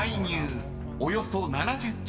およそ７０兆円］